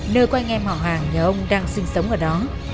nơi có anh em họ hạ nhớ ông đang sinh sống ở đó